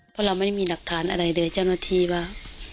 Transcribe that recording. เพราะเราไม่มีหลักฐานอะไรโดยางภาพที่รู้